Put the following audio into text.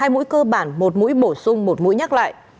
hai mũi cơ bản một mũi bổ sung một mũi nhắc lại